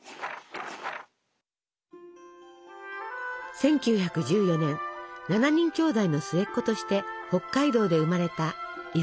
１９１４年７人きょうだいの末っ子として北海道で生まれた伊福部昭。